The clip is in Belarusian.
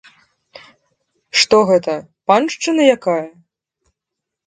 Што гэта, паншчына якая?